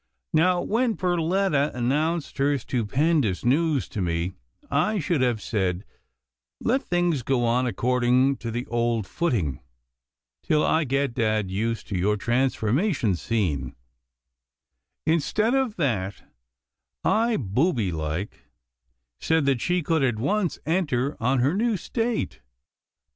" Now when Per letta announced her stupendous news to me, I should have said, * Let things go on according to the old footing, till I get dad used to your transformation scene/ Instead of that, I — booby like, said that she could at once enter on her new state.